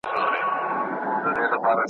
آیینه ماته که چي ځان نه وینم تا ووینم !.